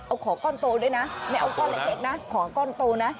เอาขอก้อนโตด้วยนะไม่เอาก้อนเล็กนะขอก้อนโตนะ